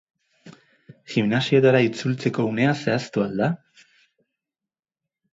Gimnasioetara itzultzeko unea zehaztu al da?